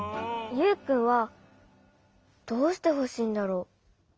ユウくんはどうしてほしいんだろう？